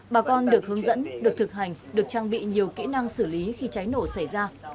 bà con được hướng dẫn được thực hành được trang bị nhiều kỹ năng xử lý khi cháy nổ xảy ra